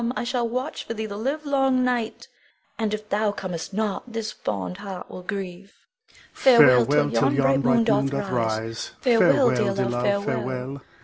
I shall watch for thee the live long night, and if thou comest not, this fond heart will grieve. Both. Farewell, till yon bright moon doth rise, Farewell, dear love, farewell!